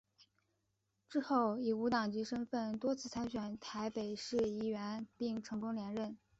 之后以无党籍身分多次参选台北市议员并成功连任。